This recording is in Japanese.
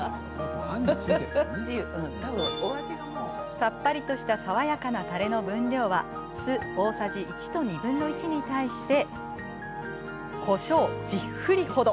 さっぱりとした爽やかなたれの分量は酢大さじ１と２分の１に対してこしょう１０振りほど。